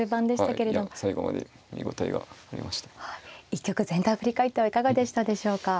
一局全体を振り返ってはいかがでしたでしょうか。